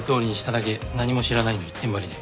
何も知らない」の一点張りで。